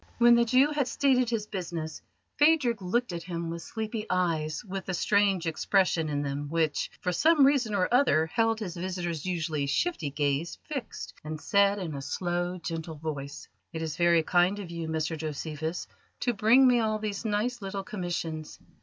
When the Jew had stated his business, Phadrig looked at him with sleepy eyes with a strange expression in them which, for some reason or other, held his visitor's usually shifty gaze fixed, and said in a slow, gentle voice: "It is very kind of you, Mr Josephus, to bring me all these nice little commissions.